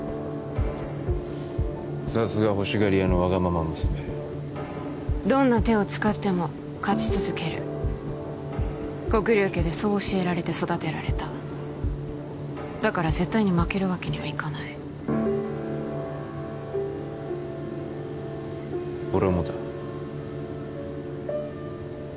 さすが欲しがり屋のワガママ娘どんな手を使っても勝ち続ける黒龍家でそう教えられて育てられただから絶対に負けるわけにはいかない俺もだ